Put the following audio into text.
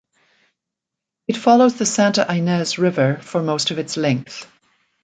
It follows the Santa Ynez River for most of its length.